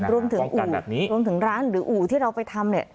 อู่รวมถึงร้านหรืออู่ที่เราไปทำเนี่ย